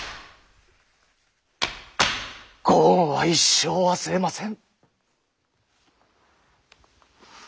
ご恩は一生忘れません。